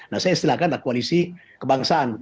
nah saya istilahkan koalisi kebangsaan